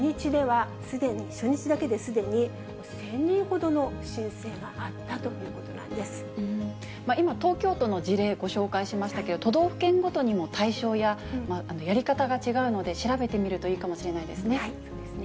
初日だけですでに１０００人ほどの申請があったということなんで今、東京都の事例、ご紹介しましたけれども、都道府県ごとにも対象ややり方が違うので、調べてみるといいかもそうですね。